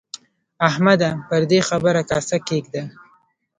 احمده! پر دې خبره کاسه کېږده.